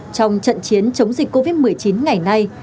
trong trận chiến chống dịch covid một mươi chín ngày nay